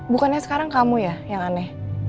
bukannya sekarang kamu ya yang aneh